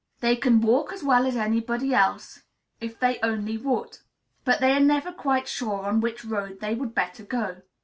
They can walk as well as anybody else, if they only would; but they are never quite sure on which road they would better go.